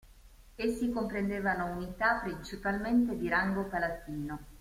Essi comprendevano unità principalmente di rango palatino.